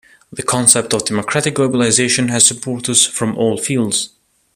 The concept of democratic globalization has supporters from all fields.